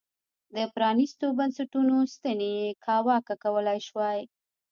د پرانیستو بنسټونو ستنې یې کاواکه کولای شوای.